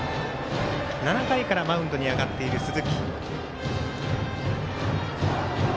７回からマウンドに上がっている鈴木。